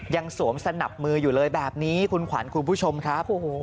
สวมสนับมืออยู่เลยแบบนี้คุณขวัญคุณผู้ชมครับ